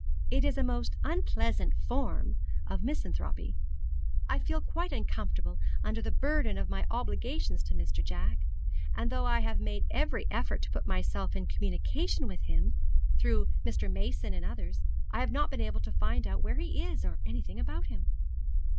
'It is a most unpleasant form of misanthropy. I feel quite uncomfortable under the burden of my obligations to Mr. Jack; and though I have made every effort to put myself in communication with him, through Mr. Mason and others, I have not been able to find out where he is or anything about him.'